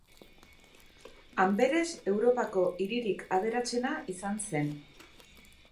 Anberes Europako hiririk aberatsena izan zen.